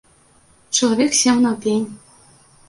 Чалавек сеў на пень.